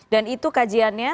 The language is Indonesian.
dan itu kajiannya